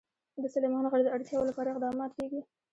د سلیمان غر د اړتیاوو لپاره اقدامات کېږي.